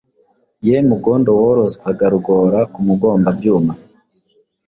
Ye Mugondo woroswaga Rugora Ku mugomba- byuma,